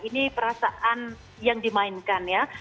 ini perasaan yang dimainkan ya